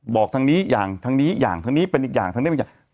บอกทางนี้อย่างทางนี้อย่างทางนี้เป็นอีกอย่างทางนี้เป็นอย่าง